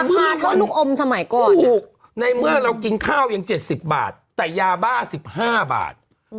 ว่าลูกอมสมัยก่อนถูกในเมื่อเรากินข้าวยัง๗๐บาทแต่ยาบ้า๑๕บาท